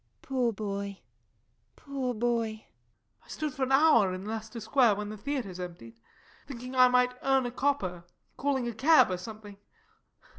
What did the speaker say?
_] Poor boy, poor boy! JOE. I stood for an hour in Leicester Square when the theatres emptied, thinking I might earn a copper, calling a cab, or something.